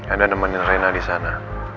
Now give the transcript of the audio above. ada nemenin rena di sana